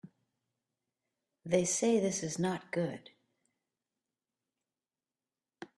They say this is not good.